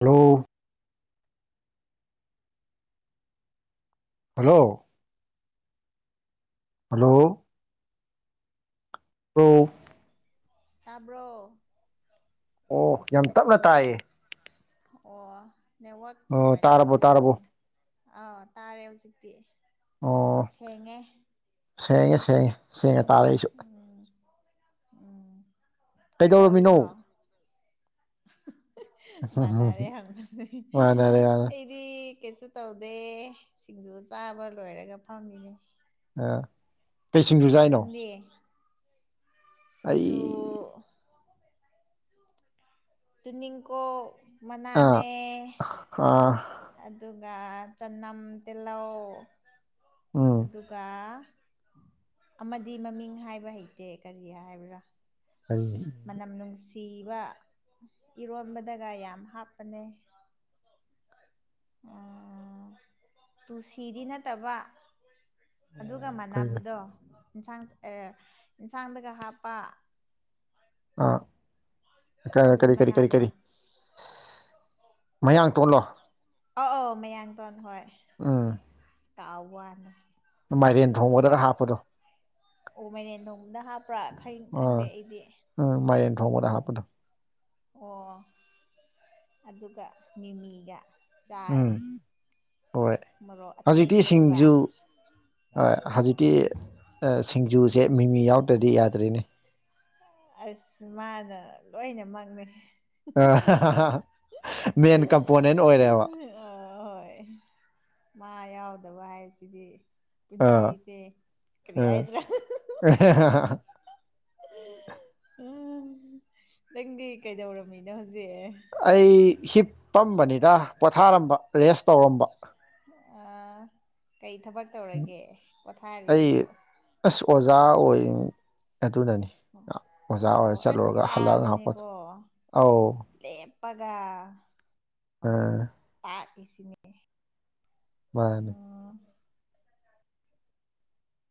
hello hello hello hello ꯇꯥꯕ꯭ꯔꯣ ꯑꯣ ꯌꯥꯝ ꯇꯞꯅ ꯇꯥꯏꯌꯦ ꯑꯣ ꯅꯦꯠꯋꯥꯛ ꯑꯣ ꯇꯥꯔꯕꯣ ꯇꯥꯔꯕꯣ ꯅꯨꯡꯉꯥꯏꯇꯕꯩꯔꯅꯦ ꯑꯥ ꯇꯥꯔꯦ ꯍꯧꯖꯤꯛꯇꯤ ꯑꯣ ꯁꯦꯡꯉꯦ ꯁꯦꯡꯉꯦ ꯁꯦꯡꯉꯦ ꯁꯦꯡꯅ ꯇꯥꯔꯦ ꯑꯩꯁꯨ ꯎꯝ ꯎꯝ ꯀꯩꯗꯧꯔꯝꯃꯤꯅꯣ ꯀꯩꯗꯧꯔꯤꯅꯣ ꯑꯍꯍ ꯃꯥꯟꯅꯔꯦ ꯍꯪꯕꯁꯦ ꯑꯩꯗꯤ ꯃꯥꯟꯅꯔꯦ ꯌꯥꯔꯦ ꯑꯩꯗꯤ ꯀꯩꯁꯨ ꯇꯧꯗꯦ ꯁꯤꯡꯖꯨ ꯆꯥꯕ ꯂꯣꯏꯔꯒ ꯐꯝꯃꯤꯅꯦ ꯑꯥ ꯀꯩ ꯁꯤꯡꯖꯨ ꯆꯥꯏꯅꯣ ꯅꯪꯗꯤ ꯑꯩ ꯁꯤꯡꯖꯨ ꯇꯨꯅꯤꯡꯀꯣ ꯑ ꯑꯍ ꯑ ꯑꯗꯨꯒ ꯆꯅꯝ ꯇꯤꯜꯍꯧ ꯎꯝ ꯑꯗꯨꯒ ꯑꯃꯗꯤ ꯃꯃꯤꯡ ꯍꯥꯏꯕ ꯍꯩꯇꯦ ꯀꯔꯤ ꯍꯥꯏꯕ꯭ꯔꯥ ꯀꯔꯤ ꯃꯅꯝ ꯅꯨꯡꯁꯤ ꯢꯕ ꯏꯔꯣꯟꯕꯗꯒ ꯌꯥꯝ ꯍꯥꯞꯄꯅꯦ ꯑꯥ ꯇꯨꯜꯁꯤꯗꯤ ꯅꯠꯇꯕ ꯑꯗꯨꯒ ꯀꯔꯤ ꯃꯟꯅꯥꯕꯗꯣ ꯏꯟꯁꯥꯡ ꯑꯦ ꯌꯦꯟꯁꯥꯡꯗꯒ ꯍꯥꯞꯄ ꯑꯥ ꯑꯗꯨ ꯀꯔꯤ ꯀꯔꯤ ꯀꯔꯤ ꯃꯅꯥꯗꯣ ꯀꯔꯤ ꯃꯌꯥꯡ ꯇꯣꯟꯂꯣ ꯑꯥ ꯑꯣ ꯃꯌꯥꯡꯇꯣꯟ ꯍꯣꯏ ꯑꯝ ꯀꯥꯎ ꯋꯥꯟꯗ ꯃꯥꯏꯔꯦꯟ ꯊꯣꯡꯕꯗꯒ ꯍꯥꯞꯄꯗꯣ ꯑꯣ ꯃꯥꯢꯔꯦꯟ ꯊꯣꯡꯕꯗ ꯍꯥꯞꯄ꯭ꯔ ꯈꯩ ꯑꯥ ꯈꯪꯗꯦ ꯑꯩꯗꯤ ꯎꯝ ꯃꯥꯏꯔꯦꯟ ꯊꯣꯡꯕꯗ ꯍꯥꯞꯄꯗꯣ ꯑꯣ ꯑꯗꯨꯒ ꯃꯤꯃꯤꯒ ꯆꯥꯔꯦ ꯎꯝ ꯍꯣꯏ ꯃꯔꯣꯛ ꯍꯧꯖꯤꯛꯇꯤ ꯑꯇꯦꯛꯄꯗꯨꯒ ꯁꯤꯡꯖꯨ ꯍꯣꯏ ꯍꯧꯖꯤꯛꯇꯤ ꯑꯥ ꯁꯤꯡꯖꯨꯁꯦ ꯃꯤꯃꯤ ꯌꯥꯎꯗ꯭ꯔꯗꯤ ꯌꯥꯗ꯭ꯔꯦꯅꯦ ꯑꯁ ꯃꯥꯅ ꯂꯣꯏꯅꯃꯛꯅꯦ ꯑꯥ ꯍꯥ ꯍꯥ ꯍꯥ ꯍꯥ ꯃꯦꯟ ꯀꯝꯄꯣꯅꯦꯟ ꯑꯣꯏꯔꯦꯕ ꯑꯩ ꯃꯥꯏ ꯀꯗꯕ ꯍꯥꯏꯁꯤꯗꯤ ꯑꯥ ꯄꯨꯟꯁꯤꯁꯦ ꯀꯔꯤ ꯑꯥ ꯍꯥꯏꯁꯤ꯭ꯔꯥ ꯑꯍꯥ ꯍꯥ ꯍꯥ ꯍꯥ ꯎꯝ ꯅꯪꯗꯤ ꯀꯩꯗꯧꯔꯝꯃꯤꯅꯣ ꯍꯧꯖꯤꯛ ꯑꯩ ꯍꯤꯞꯄꯝꯕꯅꯤꯗ ꯄꯣꯊꯥꯔꯝꯕ ꯔꯦꯁ ꯇꯧꯔꯝꯕ ꯀꯔꯤ ꯊꯕꯛ ꯇꯧꯔꯒꯦ ꯑꯩ ꯄꯣꯊꯥꯔꯤꯁꯤꯕꯣ ꯑꯁ ꯑꯣꯖꯥ ꯑꯣꯏ ꯑꯗꯨꯅꯅꯤ ꯑꯥ ꯑꯣꯖꯥ ꯑꯣꯏ ꯑꯁ ꯆꯠꯂꯨꯔꯒ ꯍꯜꯂꯑꯒ ꯉꯍꯥꯛ ꯄꯣꯠꯊ ꯋꯥꯕꯅꯦꯀꯣ ꯑꯧ ꯄꯒꯥ ꯑꯥ ꯁꯤꯅꯦ ꯃꯥꯅꯦ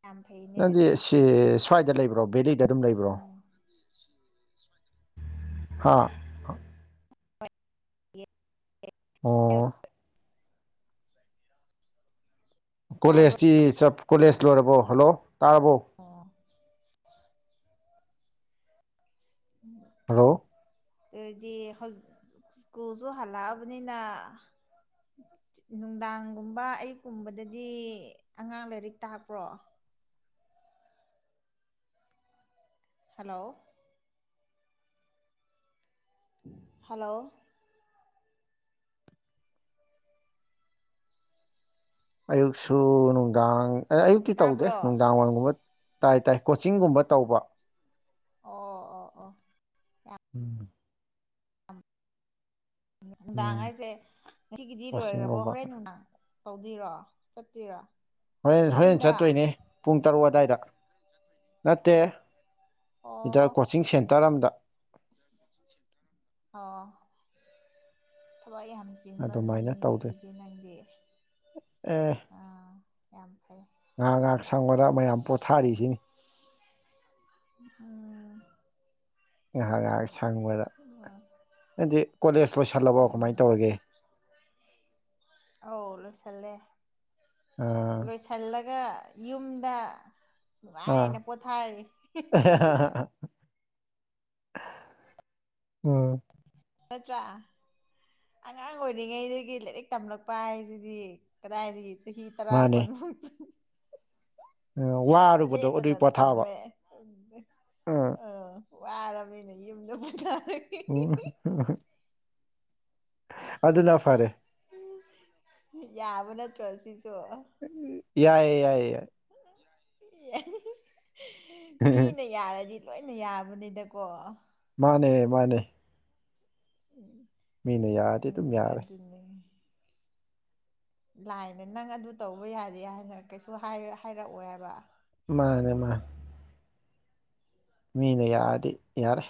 ꯌꯥꯝ ꯐꯩꯅꯦ ꯅꯪꯗꯤ ꯁꯤ ꯁ꯭ꯋꯥꯏꯗ ꯂꯩꯕ꯭ꯔꯣ ꯕꯦꯂꯤꯠ ꯑꯣ ꯍꯥ ꯑꯣ ꯇꯥꯕ꯭ꯔꯣ ꯀꯣꯂꯦꯖꯇꯤ ꯆꯞ ꯀꯣꯂꯦꯖ ꯂꯣꯏꯔꯕꯣ ꯍꯜꯂꯣ ꯇꯥꯔꯕꯣ ꯑꯣ ꯍꯜꯂꯣ ꯑꯗꯨꯔꯗꯤ ꯍꯧꯁ ꯁ꯭ꯀꯨꯜꯁꯨ ꯍꯜꯂꯛꯑꯕꯅꯤꯅ [inaudible] ꯅꯨꯡꯗꯥꯡꯒꯨꯝꯕ ꯑꯌꯨꯛꯀꯨꯝꯕꯗꯗꯤ ꯑꯉꯥꯡ ꯂꯥꯏꯔꯤꯛ ꯇꯥꯛꯄ꯭ꯔꯣ ꯍꯜꯂꯣ ꯍꯜꯂꯣ ꯑꯌꯨꯛꯁꯨ ꯅꯨꯡꯗꯥꯡ ꯑꯌꯨꯛꯀꯤ ꯇꯧꯗꯦ ꯇꯥꯕ꯭ꯔꯣ ꯅꯨꯡꯗꯥꯡ ꯋꯥꯏꯝꯒꯨꯝꯕ ꯇꯥꯏ ꯇꯥꯏ ꯀꯣꯆꯤꯡꯒꯨꯝꯕ ꯇꯧꯕ ꯑꯣ ꯑꯣ ꯑꯣ ꯎꯝ ꯅꯨꯡꯗꯥꯡ ꯎꯝ ꯍꯥꯏꯁꯦ ꯉꯁꯤꯒꯤꯗꯤ ꯂꯣꯏꯈ꯭ꯔꯕꯣ ꯀꯣꯆꯤꯡꯒꯨꯝꯕ ꯍꯣꯔꯦꯟ ꯅꯨꯡꯗꯥꯡ ꯇꯧꯗꯤꯔꯣ ꯆꯠꯇꯨꯏꯔꯣ ꯍꯣꯔꯦꯟ ꯍꯣꯔꯦꯟ ꯆꯠꯇꯣꯏꯅꯦ ꯄꯨꯡ ꯇꯔꯨꯛ ꯑꯗꯥꯏꯗ ꯅꯠꯇꯦ ꯑꯣ ꯗꯥꯏ ꯑꯣ ꯀꯣꯆꯤꯡ ꯁꯦꯟꯇꯔ ꯑꯝꯗ [inaudible] [unintelligible] ꯊꯕꯛ ꯌꯥꯝ ꯆꯤꯟꯕ ꯑꯗꯨꯃꯥꯏꯅ ꯃꯤꯅꯤꯅꯦ ꯇꯧꯗꯣꯏꯅꯤ ꯑꯗꯨꯗꯤ ꯅꯪꯗꯤ ꯑꯦ ꯑꯥ ꯌꯥꯝ ꯐꯩ ꯉꯥꯏꯍꯥꯛ ꯉꯥꯏꯍꯥꯛ ꯁꯪꯕꯗ ꯃꯌꯥꯝ ꯄꯣꯊꯥꯔꯤꯁꯤꯅꯤ ꯑꯥ ꯉꯍꯥꯛ ꯉꯍꯥꯛ ꯍꯪꯕꯗ ꯅꯗꯤ ꯀꯣꯂꯦꯖ ꯂꯣꯏꯁꯤꯜꯂꯕꯣ ꯎꯝ ꯀꯃꯥꯏꯅ ꯇꯧꯔꯒꯦ ꯑꯧ ꯂꯣꯏꯁꯜꯂꯦ ꯑꯥ ꯂꯣꯏꯁꯤꯜꯂꯒ ꯌꯨꯝꯗ ꯑꯥ ꯅꯨꯡꯉꯥꯏꯅ ꯄꯣꯊꯔꯒꯦ ꯎꯝ ꯅꯠꯇ꯭ꯔꯥ ꯑꯉꯥꯡ ꯑꯣꯏꯔꯤꯉꯩꯗꯒꯤ ꯂꯥꯏꯔꯤꯛ ꯇꯝꯂꯛꯄ ꯍꯥꯏꯁꯤꯗꯤ ꯀꯗꯥꯏꯗꯒꯤ ꯆꯍꯤ ꯇꯔꯥ ꯃꯥꯅꯦ ꯀꯨꯟ ꯎꯝ ꯋꯥꯔꯨꯕꯗꯣ ꯑꯗꯨꯏ ꯂꯦꯞꯇꯅ ꯄꯣꯊꯥꯕ ꯇꯝꯃꯦ ꯎꯝ ꯑꯥ ꯋꯥꯔꯕꯃꯤꯅ ꯌꯨꯝꯗ ꯄꯣꯊ ꯑꯣ ꯍꯣꯏ ꯌꯥꯕ ꯅꯠꯇ꯭ꯔꯣꯁꯤꯁꯨ ꯌꯥꯏꯌꯦ ꯌꯥꯏꯌꯦ ꯍꯥ ꯍꯦ ꯃꯤꯅ ꯌꯥꯔꯗꯤ ꯂꯣꯏꯅ ꯌꯥꯕꯅꯤꯗꯀꯣ ꯃꯥꯅꯦ ꯃꯥꯅꯦ ꯎꯝ ꯃꯤꯅ ꯌꯥꯔꯗꯤ ꯑꯗꯨꯝ ꯎꯝ ꯌꯥꯔꯦ ꯑꯗꯨꯅꯦ ꯂꯥꯏꯅ ꯅꯪ ꯑꯗꯨ ꯇꯧꯕ ꯌꯥꯗꯦ ꯍꯥꯏꯅ ꯀꯩꯁꯨ ꯍꯥꯏꯔꯛꯑꯣꯏꯕ ꯃꯥꯅꯦ ꯃꯥꯅꯦ ꯃꯤꯅ ꯌꯥꯔꯗꯤ ꯌꯥꯔꯦ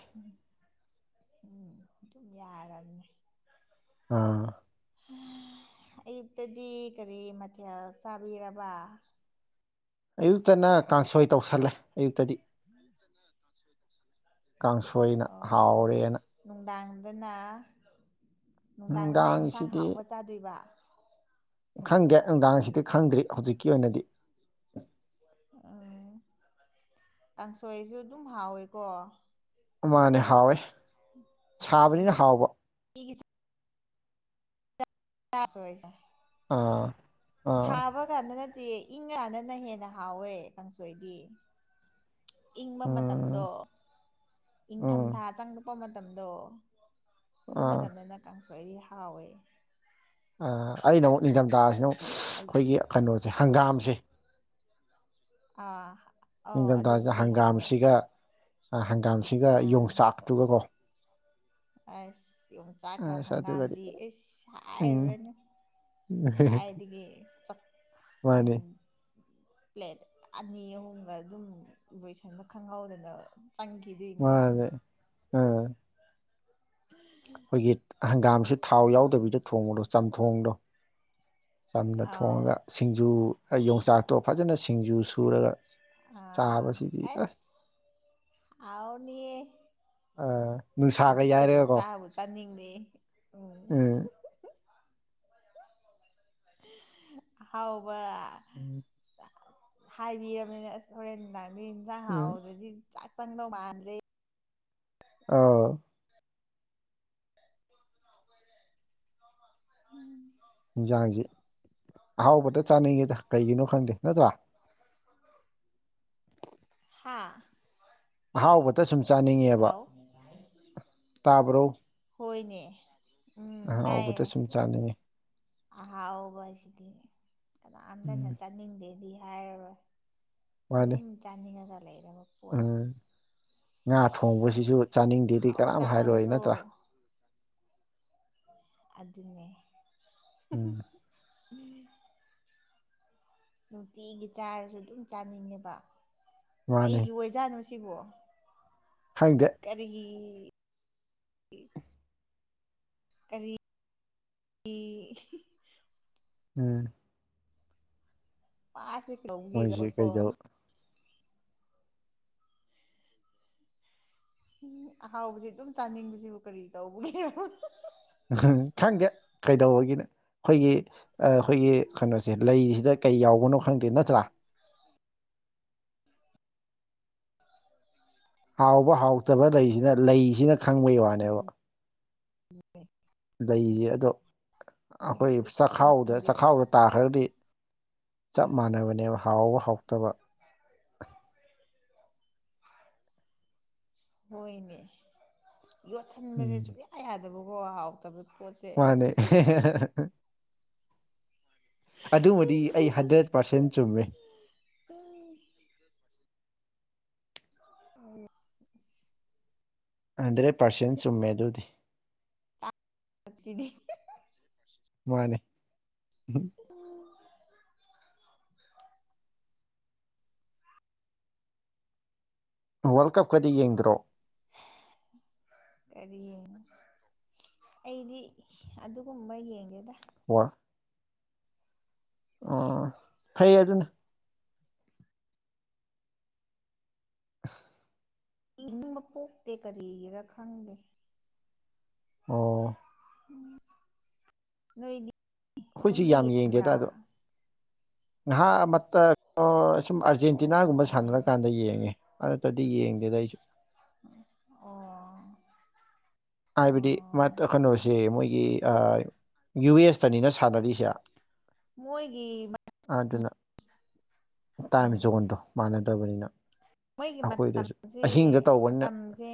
ꯎꯝ ꯑꯗꯨꯝ ꯌꯔꯝꯅꯤ ꯑꯥ ꯑꯌꯨꯛꯇꯗꯤ ꯀꯔꯤ ꯃꯊꯦꯜ ꯆꯥꯕꯤꯔꯕ ꯑꯌꯨꯛꯇꯅ ꯀꯥꯡꯁꯣꯏ ꯇꯧꯁꯤꯜꯂꯦ ꯑꯌꯨꯛꯇꯗꯤ ꯀꯥꯡꯁꯣꯏꯅ ꯍꯥꯎꯔꯦꯅ ꯑꯗꯨꯅ ꯅꯨꯡꯗꯥꯡꯗꯅ ꯑꯦꯟꯁꯥꯡ ꯅꯨꯡꯗꯥꯡꯁꯤꯗꯤ ꯍꯥꯎꯕ ꯆꯥꯗꯣꯏꯕ ꯈꯪꯗꯦ ꯅꯨꯡꯗꯥꯡꯁꯤꯗꯤ ꯈꯪꯗ꯭ꯔꯤ ꯍꯧꯖꯤꯛꯀꯤ ꯑꯣꯏꯅꯗꯤ ꯎꯝ ꯀꯥꯡꯁꯣꯏꯁꯨ ꯑꯗꯨꯝ ꯍꯥꯎꯋꯦꯀꯣ ꯑꯃꯅꯦ ꯍꯥꯎꯋꯦ ꯁꯥꯕꯅꯤꯅ ꯅꯨꯡꯇꯤꯒꯤ ꯍꯥꯎꯕ [unintelligible] ꯑꯥ ꯑꯥ ꯁꯥꯕ ꯀꯥꯟꯗ ꯅꯠꯇꯤꯌꯦ ꯏꯪꯉꯀꯥꯟꯗꯅ ꯍꯦꯟꯅ ꯍꯥꯎꯋꯦ ꯀꯥꯡꯁꯣꯏꯗꯤ ꯏꯪꯕ ꯎꯝ ꯃꯇꯝꯗꯣ ꯎꯝ ꯏꯪꯊꯝꯊꯥ ꯆꯪꯉꯛꯄ ꯃꯇꯝꯗꯣ ꯑꯗꯨ ꯑꯥ ꯃꯇꯝꯗꯅ ꯀꯥꯡꯁꯣꯏ ꯍꯥꯎꯋꯦ ꯑꯥ ꯑꯩꯅ ꯑꯃꯨꯛ ꯅꯤꯡꯊꯝꯊꯥꯁꯤꯅ ꯑꯃꯨꯛ ꯍꯧꯖꯤꯛ ꯑꯩꯈꯣꯏꯒꯤ ꯀꯩꯅꯣꯁꯦ ꯍꯪꯒꯥꯝꯁꯦ ꯑꯥ ꯑꯧ ꯅꯤꯡꯊꯝꯊꯥꯁꯤꯗ ꯑꯗꯨꯕꯨꯗꯤ ꯍꯥꯎꯋꯦ ꯍꯪꯒꯥꯝꯁꯤꯒ ꯍꯪꯒꯥꯝꯁꯤꯒ ꯑꯥ ꯌꯣꯡꯆꯥꯛꯇꯨꯒꯀꯣ ꯑꯁ ꯌꯣꯡꯆꯥꯛꯀ ꯑꯁ ꯑꯗꯨꯒꯗꯤ ꯍꯪꯒꯥꯝꯗꯤ ꯑꯁ ꯎꯝ ꯍꯥꯏꯔꯨꯔꯅꯨ ꯀꯥꯏꯗꯤꯒꯦ ꯆꯥꯛ ꯃꯥꯅꯤ ꯎꯝ ꯄ꯭ꯂꯦꯠ ꯑꯅꯤ ꯑꯍꯨꯝꯒ ꯑꯗꯨꯝ ꯂꯣꯏꯁꯟꯕ ꯈꯪꯍꯧꯗꯅ ꯆꯪꯒꯤꯗꯨꯢ ꯅꯦ ꯃꯥꯅꯦ ꯑꯥ ꯑꯩꯈꯣꯏꯒꯤ ꯍꯪꯒꯥꯝꯁꯨ ꯊꯥꯎ ꯎꯝ ꯌꯥꯎꯗꯕꯤꯗ ꯊꯣꯡꯕꯗꯣ ꯆꯝꯊꯣꯡꯗꯣ ꯆꯝꯅ ꯑꯥꯎ ꯊꯣꯡꯉꯒ ꯁꯤꯡꯖꯨ ꯌꯣꯡꯆꯥꯛꯇꯣ ꯐꯖꯅ ꯁꯤꯡꯖꯨ ꯁꯨꯔꯒ ꯑꯥ ꯆꯥꯕꯁꯤꯗꯤ ꯑꯁ ꯑꯩꯁ ꯍꯥꯎꯅꯤꯌꯦ ꯑ, ꯅꯨꯡꯁꯥꯒ ꯍꯧꯖꯤꯛꯇꯕꯨ ꯌꯥꯏꯔꯒꯀꯣ ꯆꯥꯕꯨ ꯆꯥꯅꯤꯡꯔꯦ ꯎꯝ ꯍꯨꯝ ꯍꯨꯝ ꯑꯍꯥꯎꯕ ꯎꯝ ꯍꯥꯏꯕꯤꯔꯕꯅꯤꯅꯦ ꯑꯁ ꯍꯣꯔꯦꯟ ꯅꯨꯡꯗꯥꯡꯗꯤ ꯌꯦꯟꯁꯥꯡ ꯎꯝ ꯍꯥꯎꯕꯗꯗꯤ ꯆꯥꯛ ꯆꯪꯗꯧ ꯃꯥꯥꯟꯗꯦ ꯑꯧ [unintelligible] ꯌꯦꯟꯁꯥꯡꯁꯤ ꯑꯍꯥꯎꯕꯇ ꯆꯥꯅꯤꯡꯉꯦꯗ ꯀꯩꯒꯤꯅꯣ ꯈꯪꯗꯦ ꯅꯠꯇ꯭ꯔꯥ ꯍꯥꯥ ꯑꯍꯥꯎꯕꯇ ꯁꯨꯝ ꯆꯥꯅꯤꯡꯉꯦꯕ ꯍꯜꯂꯣ ꯇꯥꯕ꯭ꯔꯣ ꯍꯣꯏꯅꯦ ꯑꯍꯥꯎꯕꯇ ꯁꯨꯝ ꯆꯥꯅꯤꯡꯉꯤ ꯑꯍꯥꯎꯕꯁꯤꯗꯤ ꯌꯥꯝ ꯀꯥꯟꯅ ꯎꯝ ꯆꯅꯤꯡꯗꯦꯗꯤ ꯃꯥꯅꯤ ꯑꯗꯨꯝ ꯆꯥꯅꯤꯡꯉꯒ ꯂꯩꯔꯦꯕ ꯄꯣꯠ ꯎꯝ ꯉꯥ ꯊꯣꯡꯕꯁꯤꯁꯨ ꯆꯥꯅꯤꯡꯗꯦꯗꯤ ꯑꯍꯥꯎꯕ ꯀꯅꯥꯝ ꯍꯥꯏꯔꯣꯏ ꯆꯥꯃꯜꯂꯁꯨ ꯅꯠꯇ꯭ꯔꯥ ꯑꯗꯨꯅꯦ ꯎꯝ ꯅꯨꯡꯇꯤꯒꯤ ꯆꯥꯔꯁꯨ ꯑꯗꯨꯝ ꯆꯥꯅꯤꯡꯉꯦꯕ ꯃꯥꯅꯤ ꯀꯩꯒꯤ ꯑꯣꯏꯖꯥꯠꯅꯨ ꯁꯤꯕꯣ ꯈꯪꯗꯦ ꯀꯔꯤꯒꯤ ꯀꯔꯤ ꯒꯤ ꯍꯤꯍꯤ ꯎꯝ ꯃꯥꯁꯤ ꯃꯣꯏꯁꯦ ꯇꯧꯕꯤꯗꯕꯀꯣ ꯀꯩꯗꯧ ꯎꯝ ꯑꯍꯥꯎꯕꯁꯤ ꯑꯗꯨꯝ ꯆꯥꯅꯤꯡꯕꯁꯤꯕꯨ ꯀꯔꯤ ꯇꯧꯕꯒꯤꯔꯣ ꯎꯝ ꯈꯪꯗꯦ ꯀꯩꯗꯧꯕꯒꯤꯅ ꯑꯩꯈꯣꯏꯒꯤ ꯑ ꯑꯩꯈꯣꯏꯒꯤ ꯀꯩꯅꯣꯁꯦ ꯂꯩꯁꯤꯗ ꯀꯩ ꯌꯥꯎꯕꯅꯣ ꯈꯪꯗꯦ ꯅꯠꯇ꯭ꯔꯥ ꯍꯥꯎꯕ ꯍꯥꯎꯇꯕ ꯂꯩꯁꯤꯅ ꯂꯩꯁꯤꯅ ꯈꯪꯕꯩ ꯋꯥꯅꯦꯕ ꯂꯩꯖꯦ ꯑꯗꯣ ꯑꯩꯈꯣꯏ ꯆꯈꯥꯎꯗ ꯆꯥꯅꯤꯡꯗꯦ ꯆꯥꯛꯈꯥꯎꯗ ꯇꯥꯈ꯭ꯔꯗꯤ ꯆꯞ ꯃꯥꯟꯅꯕꯅꯦꯕ ꯍꯥꯎꯕ ꯍꯥꯎꯇꯕ ꯍꯣꯏꯅꯦ ꯌꯣꯠꯁꯟꯕꯁꯦ ꯎꯝ ꯁꯨꯡꯌꯥ ꯌꯥꯗꯕꯀꯣ ꯍꯥꯎꯇꯕ ꯄꯣꯠꯁꯦ ꯃꯥꯅꯦ ꯍ ꯍ ꯍ ꯑꯗꯨꯨꯕꯨꯗꯤ ꯑꯩ ꯍꯟꯗ꯭ꯔꯦꯠ ꯄꯥꯔꯁꯦꯟ ꯆꯨꯝꯃꯦ [inaudible] [inaudible] ꯍꯟꯗ꯭ꯔꯦꯠ ꯄꯥꯔꯁꯦꯟ ꯆꯨꯝꯃꯦ ꯑꯗꯨꯗꯤ ꯖꯤꯗꯤ ꯃꯥꯅꯦ ꯎꯝ ꯋꯥꯜꯀꯥꯞ ꯀꯗꯤ ꯌꯦꯡꯗ꯭ꯔꯣ ꯀꯔꯤ ꯌꯦꯡ ꯑꯩꯗꯤ ꯑꯗꯨꯒꯨꯝꯕ ꯌꯦꯡꯗꯦꯗ ꯋꯥ ꯑꯣ ꯐꯩ ꯑꯗꯨꯅꯤ [inaudible] ꯏꯅꯤꯡꯕ ꯄꯣꯛꯇꯦ ꯀꯔꯤꯒꯤꯔ ꯈꯪꯗꯦ ꯑꯣ ꯎ ꯅꯣꯢꯗꯤ ꯈꯣꯏꯖꯤ ꯌꯥꯝ ꯌꯦꯡꯗꯦꯗꯥ ꯑꯗꯣ ꯉꯍꯥ ꯃꯇꯠ ꯍꯣ ꯁꯨꯝ ꯑꯣ ꯑꯥꯔꯖꯦꯟꯇꯤꯅꯥꯒꯨꯝꯕ ꯁꯥꯟꯅꯔꯀꯥꯟꯗ ꯌꯦꯡꯉꯦ ꯑꯗꯨ ꯅꯠꯇꯗꯤ ꯌꯦꯡꯗꯦꯗꯥ ꯑꯩꯁꯨ ꯑꯣ ꯍꯥꯏꯕꯗꯤ ꯑꯣ ꯃꯥꯇ ꯀꯩꯅꯣꯁꯦ ꯃꯣꯏ ꯏ ꯑꯥ ꯌꯨ ꯑꯦꯁꯇꯅꯤꯅ ꯁꯥꯟꯅꯔꯤꯁꯦ ꯃꯣꯏꯒꯤ ꯃ ꯑꯗꯨꯅ ꯇꯥꯏꯝ ꯖꯣꯟꯗꯣ ꯃꯥꯟꯅꯗꯕꯅꯤꯅꯥ ꯃꯣꯏꯒꯤ ꯃꯇꯝꯖꯦ ꯇꯧꯕꯅꯤꯅ ꯃꯇꯝꯖꯦ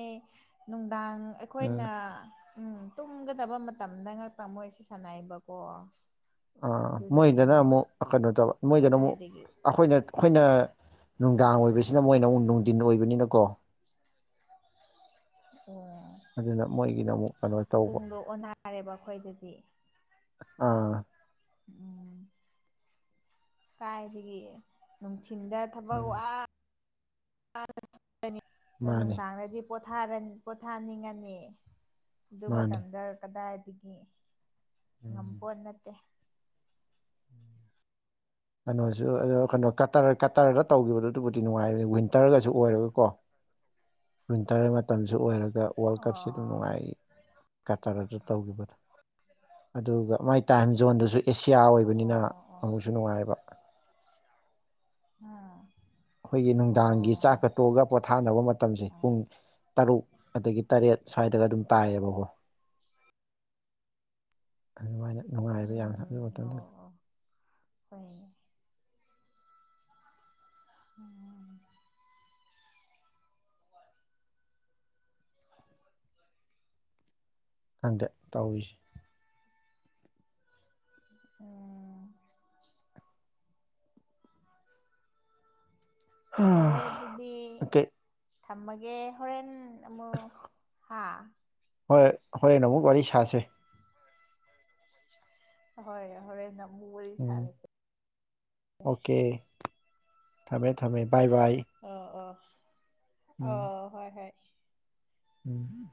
ꯅꯨꯡꯗꯥꯡ ꯑꯩ ꯎꯝ ꯑꯩꯈꯣꯏꯅꯥ ꯎꯝ ꯇꯨꯝꯒꯗꯕ ꯃꯇꯝꯗ ꯉꯛꯇ ꯃꯣꯏꯁꯦ ꯁꯥꯟꯅꯩꯕꯀꯣ ꯑꯥ ꯃꯣꯏꯗꯅ ꯑꯗꯨꯅꯁꯨꯅꯤꯗ ꯑꯃꯨꯛ ꯀꯩꯅꯣ ꯇꯧꯕ ꯃꯣꯏꯗꯅ ꯑꯃꯨꯛ ꯀꯥꯏꯗꯒꯤ ꯑꯩꯈꯣꯏꯅ ꯑꯩꯈꯣꯏꯅ ꯅꯨꯡꯗꯥꯡ ꯑꯣꯏꯕꯖꯤꯅ ꯃꯣꯏꯅ ꯑꯃꯨꯛ ꯅꯨꯡꯗꯤꯟ ꯑꯣꯏꯕꯅꯤꯅꯀꯣ ꯑꯣ ꯑꯗꯨꯅ ꯃꯣꯏꯒꯤꯅ ꯑꯃꯨꯛ ꯀꯩꯅꯣ ꯇꯧꯕ ꯄꯨꯡꯗꯣ ꯑꯣꯟꯅꯔꯦꯕꯥ ꯑꯩꯈꯣꯏꯗꯗꯤ ꯑꯥ ꯎꯝ ꯀꯥꯏꯗꯒꯤ ꯅꯨꯡ ꯊꯤꯟꯗꯥ ꯊꯕꯛ ꯎꯝ ꯋꯥ ꯗꯅꯤ ꯑꯗꯣ ꯃꯥꯅꯤ ꯅꯨꯡꯗꯥꯡꯗꯗꯤ ꯄꯣꯊꯥꯔꯅꯤ ꯄꯣꯊꯥꯅꯤꯡꯉꯅꯤ ꯑꯗꯨ ꯃꯥꯅꯤ ꯃꯇꯝꯗ ꯀꯗꯥꯏꯗꯒꯤ ꯎꯝ ꯉꯝꯄꯣꯠ ꯅꯠꯇꯦ ꯀꯅꯣꯖꯨ ꯑꯗꯣ ꯀꯅꯣ ꯀꯇꯔ ꯀꯇꯔꯗ ꯇꯧꯒꯤꯕꯗꯣ ꯑꯗꯨꯕꯨꯗꯤ ꯅꯨꯡꯉꯥꯏꯕꯅꯤ ꯋꯤꯟꯇꯔꯒꯁꯨ ꯑꯣꯏꯔꯒꯀꯣ ꯋꯤꯟꯇꯔ ꯃꯇꯝꯖꯨ ꯑꯣꯏꯔ ꯒ ꯋꯥꯔꯜ ꯀꯞꯁꯤ ꯑꯗꯨꯝ ꯑꯣ ꯅꯨꯡꯉꯥꯏ ꯀꯇꯔꯗ ꯇꯧꯒꯤꯕꯗꯣ ꯑꯗꯨꯒ ꯃꯥꯏ ꯇꯥꯏꯝ ꯖꯣꯟꯗꯁꯨ ꯑꯦꯁꯤꯌꯥ ꯑꯣꯏꯕꯅꯤꯅ ꯑꯃꯨꯛꯁꯨ ꯅꯨꯡꯉꯥꯏꯌꯦꯕ ꯍ ꯈꯣꯏꯒꯤ ꯅꯨꯡꯗꯥꯡꯒꯤ ꯆꯥꯛ ꯀ ꯇꯣꯛꯑꯒ ꯄꯣꯊꯥꯅꯕ ꯃꯇꯝꯖꯦ ꯄꯨꯡ ꯇꯔꯨꯛ ꯑꯗꯒꯤ ꯇꯔꯦꯠ ꯁ꯭ꯋꯥꯏꯗ ꯑꯗꯨꯝ ꯇꯥꯏꯌꯦꯕꯀꯣ ꯑꯗꯨꯃꯥꯏꯅ ꯅꯨꯡꯉꯥꯏꯕ ꯌꯥꯝꯅ ꯑꯗꯨ ꯎꯝ ꯑꯣ ꯃꯇꯝꯗ ꯑꯣ ꯎꯝ ꯑꯣ ꯑꯣ ꯍꯣꯏꯅꯦ ꯑꯣ ꯈꯪꯗꯦ ꯇꯧꯔꯤꯁꯦ ꯎꯝ ꯐꯔꯦ ꯑꯗꯨꯗꯤ ꯑꯣꯀꯦ ꯊꯝꯃꯒꯦ ꯍꯣꯔꯦꯟ ꯑꯃꯨꯛ ꯍꯥ ꯍꯣꯏ ꯍꯣꯔꯦꯟ ꯑꯃꯨꯛ ꯋꯥꯔꯤ ꯁꯥꯁꯦ ꯍꯣꯏ ꯍꯣꯔꯦꯟꯅ ꯎꯝ ꯑꯣꯀꯦ ꯊꯃꯦ ꯊꯃꯦ ꯑꯣ ꯑꯣ ꯎꯝ ꯑꯣ ꯍꯣꯏ ꯍꯣꯏ ꯎꯝ